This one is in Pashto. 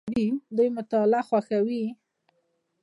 دوی مطالعه خوښوي.